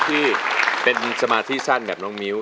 ที่เป็นสมาธิสั้นแบบน้องมิ้ว